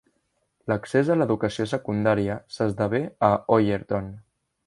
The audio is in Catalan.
L'accés a l'educació secundària s'esdevé a Ollerton.